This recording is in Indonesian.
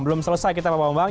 belum selesai kita pak bambang